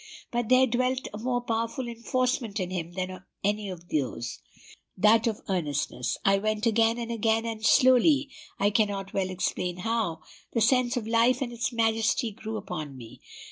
But there dwelt a more powerful enforcement in him than any of those, that of earnestness. I went again, and again; and slowly, I cannot well explain how, the sense of life and its majesty grew upon me.